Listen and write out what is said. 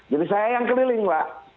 jadi saya yang keliling pak